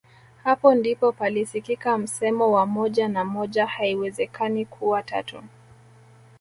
Hapo ndipo palisikika msemo wa moja na moja haiwezekani kuwa tatu